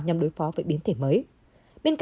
nhằm đối phó với biến thể mới